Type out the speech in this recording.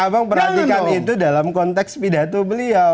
abang perhatikan itu dalam konteks pidato beliau